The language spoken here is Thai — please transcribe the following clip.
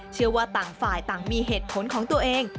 เชื่อว่าต่างฝ่ายต่างมีเหตุผลของตัวเอง